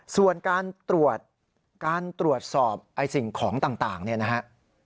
ส่วนการตรวจสอบสิ่งของต่างเนี่ยนะครับ